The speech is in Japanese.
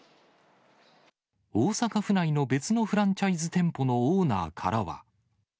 大阪府内の別のフランチャイズ店舗のオーナーからは。